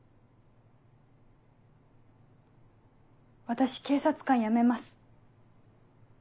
私警察官辞めます。